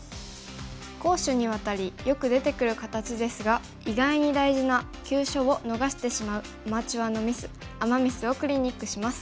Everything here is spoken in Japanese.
攻守にわたりよく出てくる形ですが意外に大事な急所を逃してしまうアマチュアのミスアマ・ミスをクリニックします。